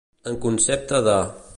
En concepte de.